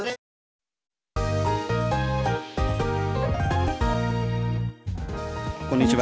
こんにちは。